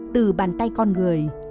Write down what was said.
từ bàn tay con người